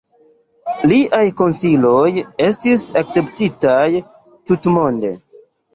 Liaj konsiloj estis akceptitaj tutmonde.